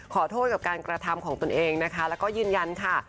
ขอโทษกับการกระทำของตนเองนะคะแล้วก็ยืนยันค่ะ